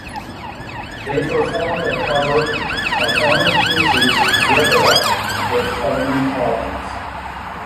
They performed a cover of Orange Juice's "Rip It Up" with Edwyn Collins.